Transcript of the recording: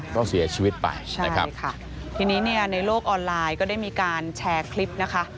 ก็เสียชีวิตไปนะครับนี่ค่ะทีนี้เนี่ยในโลกออนไลน์ก็ได้มีการแชร์คลิปนะคะ